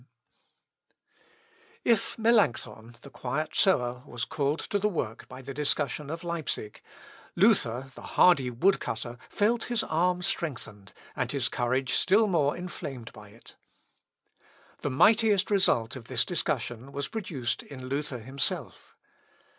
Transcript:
] If Melancthon, the quiet sower, was called to the work by the discussion of Leipsic, Luther, the hardy wood cutter, felt his arm strengthened, and his courage still more inflamed by it. The mightiest result of this discussion was produced in Luther himself.